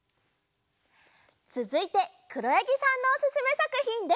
つづいてくろやぎさんのおすすめさくひんです！